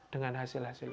dengan hasil hasil itu